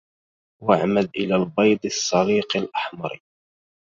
واعمد إلى البَيْض الصليق الأحمرِ